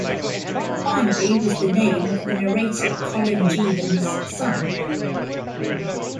Barnaby was the name of the narrator Colin Jeavons' son.